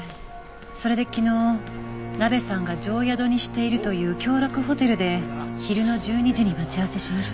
それで昨日ナベさんが定宿にしているという京洛ホテルで昼の１２時に待ち合わせしました。